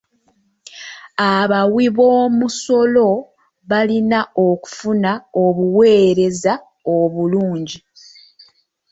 Abawiboomusolo balina okufuna obuweereza obulungi.